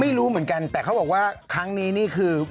ไม่รู้เหมือนกันแต่เขาบอกว่าครั้งนี้นี่คือ